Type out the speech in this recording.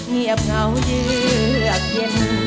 เงียบเหงาเยือกเย็น